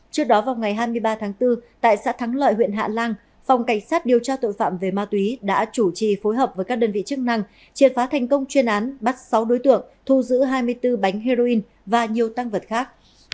trước đó vào ngày hai mươi ba tháng bốn tại xã thắng lợi huyện hạ lan phòng cảnh sát điều tra tội phạm về ma túy đã chủ trì phối hợp với các đơn vị chức năng triệt phá thành công chuyên án bắt sáu đối tượng thu giữ hai mươi bốn bánh heroin và nhiều tăng vật khác